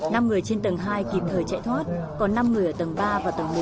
năm người trên tầng hai kịp thời chạy thoát còn năm người ở tầng ba và tầng một